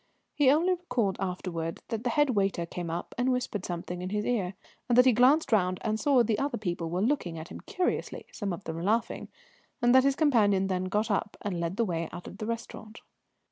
He only recalled afterwards that the head waiter came up and whispered something in his ear, and that he glanced round and saw the other people were looking at him curiously, some of them laughing, and that his companion then got up and led the way out of the restaurant.